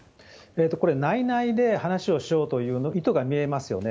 これ、内々で話をしようという意図が見えますよね。